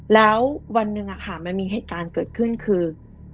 แล้ววันหนึ่งมันมีเหตุการณ์เกิดขึ้นคือ